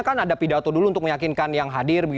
kan ada pidato dulu untuk meyakinkan yang hadir